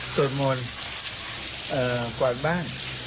สวดมนต์กวาดบ้าน